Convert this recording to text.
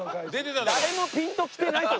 誰もピンときてないですよ